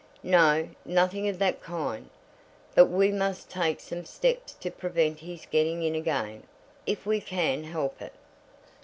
"No; nothing of that kind. But we must take some steps to prevent his getting in again, if we can help it."